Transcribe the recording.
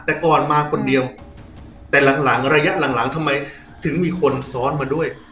แต่ก่อนมาคนเดียวแต่หลังหลังระยะหลังหลังทำไมถึงมีคนซ้อนมาด้วย